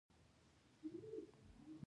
د بواسیر د وینې لپاره د انار پوستکی وکاروئ